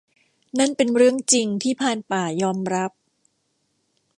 นั่นเป็นเรื่องจริง ที่ พรานป่า ยอมรับ